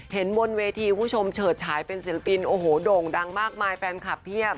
บนเวทีคุณผู้ชมเฉิดฉายเป็นศิลปินโอ้โหโด่งดังมากมายแฟนคลับเพียบ